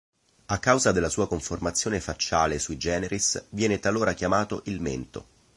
A causa della sua conformazione facciale "sui generis", viene talora chiamato "Il Mento".